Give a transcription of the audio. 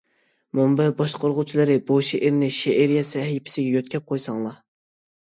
مۇنبەر باشقۇرغۇچىلىرى بۇ شېئىرنى شېئىرىيەت سەھىپىسىگە يۆتكەپ قويساڭلار.